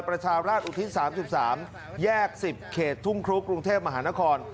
ประชาราชอุทิศ๓๓แยก๑๐เขตทุ่งครุกรุงเทพมหานคร